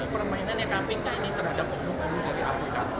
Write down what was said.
permainan yang kpk ini terhadap umum umum dari afukat